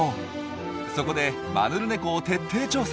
そこでマヌルネコを徹底調査。